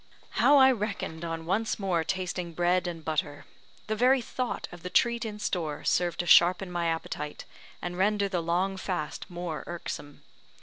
How I reckoned on once more tasting bread and butter! The very thought of the treat in store served to sharpen my appetite, and render the long fast more irksome.